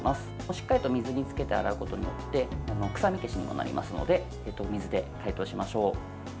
しっかりと水につけて洗うことによって臭み消しにもなりますので水で解凍しましょう。